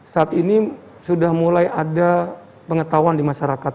saat ini sudah mulai ada pengetahuan di masyarakat